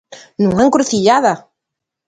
Nunha encrucillada.